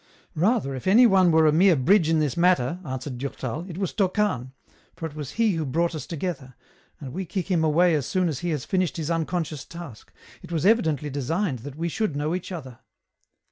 " Rather, if any one were a mere bridge in this matter," answered Durtal, " it was Tocane, for it was he who brought us together, and we kick him away as soon as he has finished his unconscious task ; it was evidently designed that we should know each other."